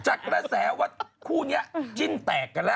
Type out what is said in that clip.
กระแสว่าคู่นี้จิ้นแตกกันแล้ว